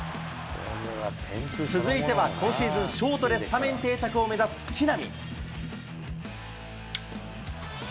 続いては、今シーズン、ショートでスタメン定着を目指す木浪。